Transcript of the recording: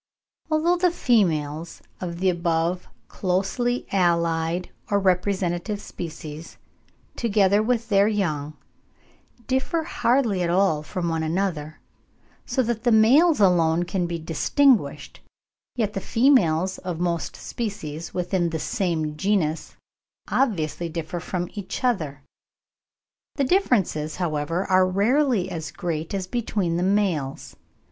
Although the females of the above closely allied or representative species, together with their young, differ hardly at all from one another, so that the males alone can be distinguished, yet the females of most species within the same genus obviously differ from each other. The differences, however, are rarely as great as between the males.